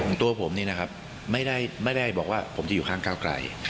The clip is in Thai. ตัวผมนี่นะครับไม่ได้บอกว่าผมจะอยู่ข้างก้าวไกล